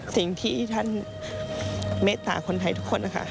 สิ่งที่ท่านเมตตาคนไทยทุกคนนะคะ